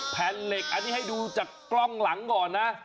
แผ่นเหล็กอันนี้ให้ดูจากกล้องหลังก่อนนะ